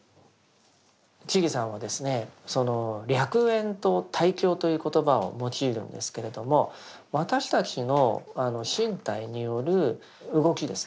智さんはその歴縁と対境という言葉を用いるんですけれども私たちの身体による動きですね